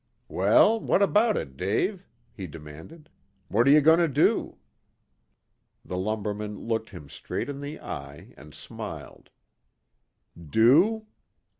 "Well, what about it, Dave?" he demanded. "What are you going to do?" The lumberman looked him straight in the eye and smiled. "Do?